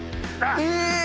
え！！